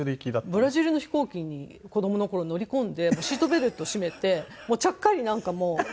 ブラジルの飛行機に子供の頃乗り込んでシートベルト締めてちゃっかりなんかもう。